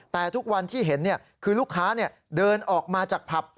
แต่ทุกวันที่เห็นคือลูกค้าเดินออกมาจากผับ